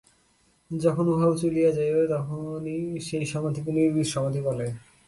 যখন উহাও চলিয়া যাইবে, তখনই সেই সমাধিকে নির্বীজ সমাধি বলে।